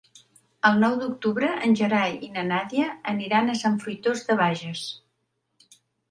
El nou d'octubre en Gerai i na Nàdia aniran a Sant Fruitós de Bages.